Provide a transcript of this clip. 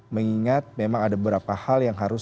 mengingat memang ada beberapa hal yang harus